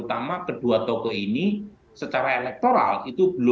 untuk cawapres pak prabowo itu secara elektoral itu bisa berbeda